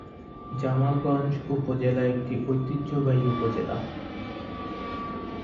জামালগঞ্জ উপজেলা একটি ঐতিহ্যবাহী উপজেলা।